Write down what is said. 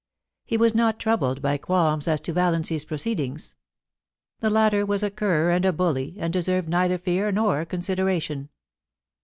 He was not troubled by qualms as to Valiancy's proceed ings. The latter was a cur and a bully, and deserved neither fear nor consideration.